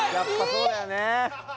そうだよね